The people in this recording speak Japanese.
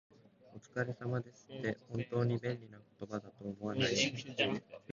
「お疲れ様です」って、本当に便利な言葉だと思わない？